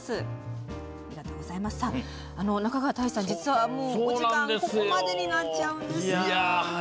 中川大志さん、実はお時間ここまでになっちゃうんです。